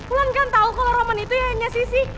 ulan kan tau kalau roman itu yang nyasisi